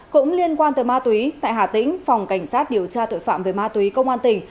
cũng liên quan tới ma túy tại hà tĩnh phòng cảnh sát điều tra tội phạm về ma túy công an tỉnh